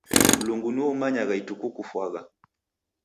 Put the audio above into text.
Mlungu nuo umayagha ituku kufwagha